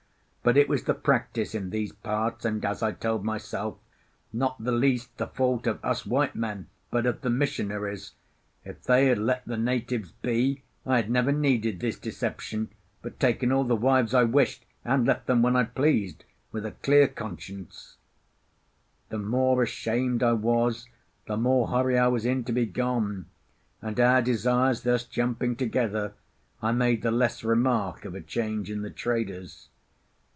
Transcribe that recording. But it was the practice in these parts, and (as I told myself) not the least the fault of us white men, but of the missionaries. If they had let the natives be, I had never needed this deception, but taken all the wives I wished, and left them when I pleased, with a clear conscience. The more ashamed I was, the more hurry I was in to be gone; and our desires thus jumping together, I made the less remark of a change in the traders.